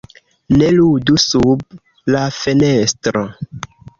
"Ne ludu sub la fenestro!"